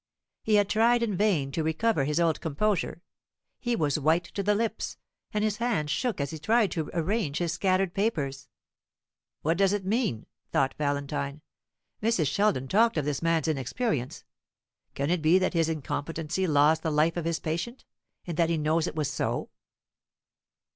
He had tried in vain to recover his old composure. He was white to the lips, and his hand shook as he tried to arrange his scattered papers. "What does it mean?" thought Valentine. "Mrs. Sheldon talked of this man's inexperience. Can it be that his incompetency lost the life of his patient, and that he knows it was so?"